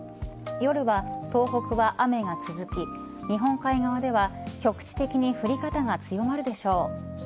夜は、東北は雨が続き日本海側では局地的に降り方が強まるでしょう。